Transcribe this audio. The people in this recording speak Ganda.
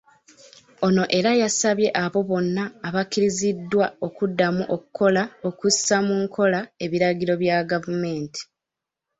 Ono era yasabaye abo bonna abakkiriziddwa okuddamu okukola okussa mu nkola ebiragiro bya gavumenti.